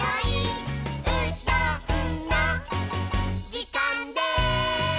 「うどんのじかんです！」